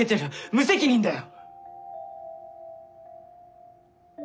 無責任だよ。